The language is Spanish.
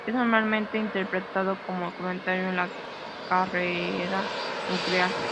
Es normalmente interpretado como comentario en la carrera nuclear.